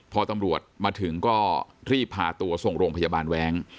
พอตำรวจมาถึงก็รีบพาตัวส่งโรงพยาบาลแว้ง